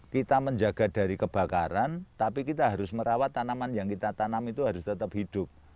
kita menjaga dari kebakaran tapi kita harus merawat tanaman yang kita tanam itu harus tetap hidup